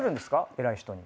偉い人に。